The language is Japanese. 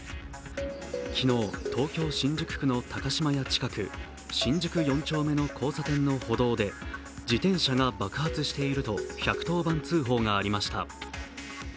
昨日、東京・新宿区の高島屋近く、新宿４丁目の交差点の歩道で自転車が爆発していると１１０番通報がありました。